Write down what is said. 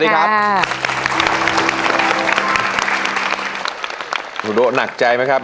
คุณโดะหนักใจไหมครับ